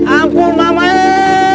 ampun mama e